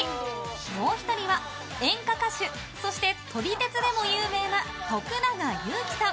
もう１人は演歌歌手そして撮り鉄でも有名な徳永ゆうきさん。